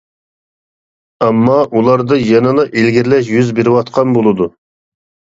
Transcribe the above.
ئەمما، ئۇلاردا يەنىلا ئىلگىرىلەش يۈز بېرىۋاتقان بولىدۇ.